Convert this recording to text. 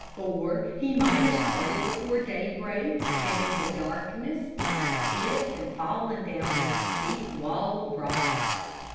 Or he might have started before daybreak, and in the darkness have slipped and fallen down this steep wall of rock.